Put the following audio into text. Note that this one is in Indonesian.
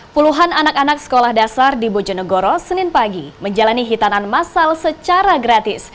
puluhan anak anak sekolah dasar di bojonegoro senin pagi menjalani hitanan masal secara gratis